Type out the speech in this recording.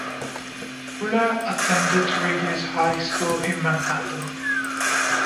Fuller attended Regis High School in Manhattan.